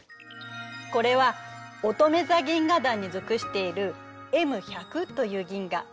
これはおとめ座銀河団に属しているＭ１００という銀河。